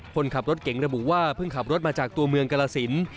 คนขับรถเก๋งระบุว่าเพิ่งขับรถมาจากตัวเมืองกรสิน